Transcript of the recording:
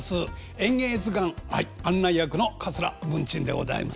「演芸図鑑」案内役の桂文珍でございます。